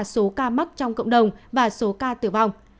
số ca mắc trong cộng đồng và số ca tử vong